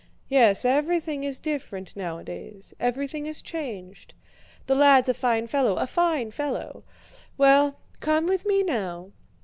"Yes, everything is different nowadays, everything is changed. The lad's a fine fellow, a fine fellow! Well, come with me now."